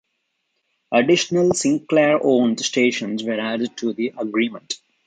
Additional Sinclair-owned stations were added to the agreement.